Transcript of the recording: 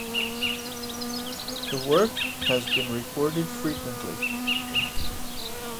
The work has been recorded frequently.